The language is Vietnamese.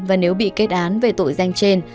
và nếu bị kết án về tội danh trên